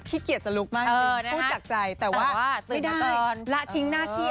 ขีเกียจจะลุกมากพูดจากใจแต่ว่าไม่ได้ละทิ้งหน้าที่